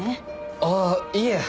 ああいえ。